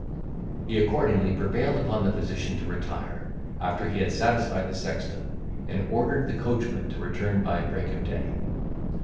He accordingly prevailed upon the physician to retire, after he had satisfied the sexton, and ordered the coachman to return by break of day.